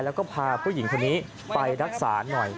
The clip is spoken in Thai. แล้วก็พาผู้หญิงคนนี้ไปรักษาหน่อย